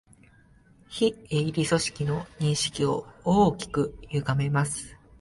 非営利組織の認識を大きくゆがめます